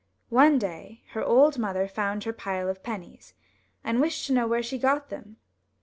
One day her old mother found her pile of pennies, and wished to know where she got them.